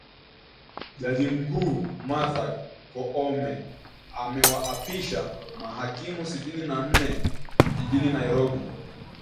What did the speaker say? JAJI MKUU MARTHA KOOME AMEWAAPISHA MAHAKIMU SITINI NA NNE JIJINI NAIROBI